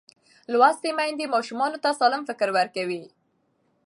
لوستې میندې ماشوم ته سالم فکر ورکوي.